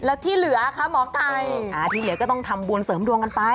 แล้วที่เหลือคะหมอไก่อ่าที่เหลือก็ต้องทำบุญเสริมดวงกันไป